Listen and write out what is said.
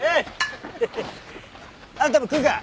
あんたも食うか？